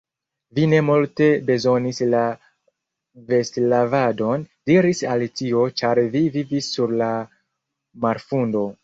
"Vi ne multe bezonis la vestlavadon," diris Alicio "ĉar vi vivis sur la marfundo."